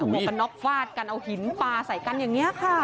วกกันน็อกฟาดกันเอาหินปลาใส่กันอย่างนี้ค่ะ